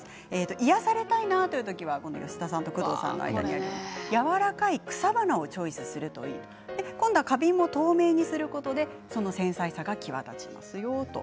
癒やされたいなという時には工藤さんと吉田さんの間やわらかい草花をチョイスすると花瓶も透明にすることでその繊細さが際立ちますよ。